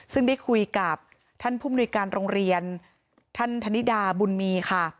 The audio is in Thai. ซึ่งได้คุยกับท่านผู้มนุยการโรงเรียนท่านธนิดาบุญมีค่ะ